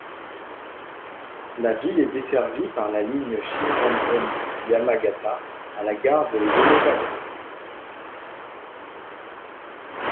La ville est desservie par la ligne Shinkansen Yamagata à la gare de Yonezawa.